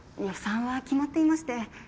予算は決まっていまして。